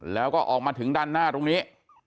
แล้วก็ออกมาถึงด้านหน้าตรงนี้